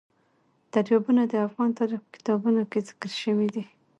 دریابونه د افغان تاریخ په کتابونو کې ذکر شوی دي.